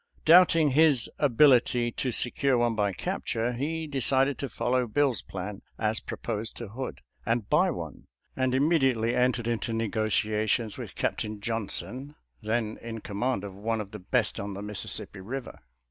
Doubting his ability to se cure one by capture, he decided to follow Bill's plan as proposed to Hood, and buy one, and immediately entered into negotiations with Captain Johnson, then in command of one of the best on the Mississippi Eiver.